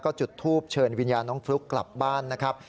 จุดทูปเชิญวิญญาณน้องฟลุ๊กกลับบ้านนะครับ